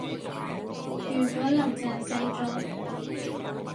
如果林鄭死咗